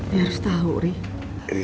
dia harus tahu ri